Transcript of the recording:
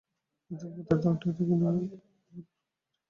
এই দুর্বলতার ধারণাটিও কিন্তু অদ্ভুত রকমের।